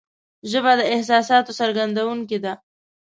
ژبه د احساساتو څرګندونکې ده